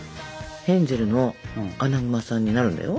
ヘンゼルのアナグマさんになるんだよ。